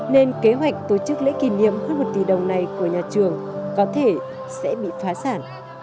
nên kế hoạch tổ chức lễ kỷ niệm hơn một tỷ đồng này của nhà trường có thể sẽ bị phá sản